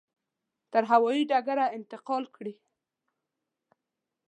تر هوایي ډګره انتقال کړي.